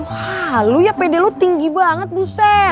wah lo ya pede lo tinggi banget buset